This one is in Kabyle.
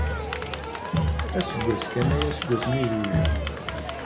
Aseggas kan aya seg wasmi ay zewjeɣ.